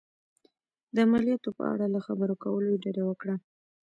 د مالیاتو په اړه له خبرو کولو یې ډډه وکړه.